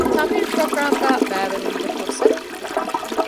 ތަމްރީން ޕްރޮގްރާމްގައި ބައިވެރިވުމުގެ ފުރުޞަތު